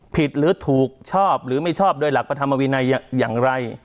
ผิดหรือถูกชอบหรือไม่ชอบโดยหลักพระธรรมวินัยอย่างไร